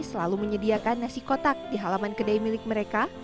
selalu menyediakan nasi kotak di halaman kedai milik mereka